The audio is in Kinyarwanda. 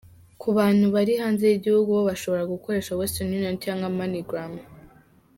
Ku bantu bari hanzi y’igihugu bo bashobora gukoresha Western Union cyagwa Mooney Gram.